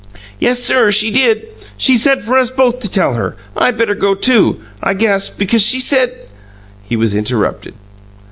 "Yes, sir; she did. She said for us both to tell her. I better go, too, I guess, because she said " He was interrupted.